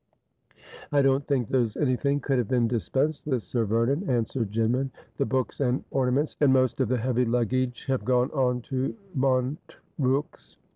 ' I don't think there's anything could have been dispensed with, Sir Vernon,' answered Jinman. ' The books and orna ments and most of the heavy luggage have gone on to Mont rooks.'